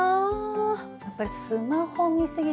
やっぱりスマホ見過ぎで。